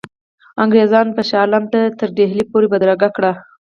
انګرېزان به شاه عالم تر ډهلي پوري بدرګه کړي.